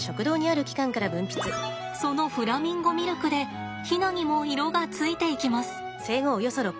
そのフラミンゴミルクでヒナにも色がついていきます。